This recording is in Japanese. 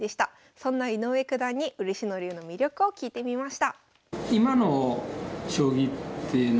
そんな井上九段に嬉野流の魅力を聞いてみました。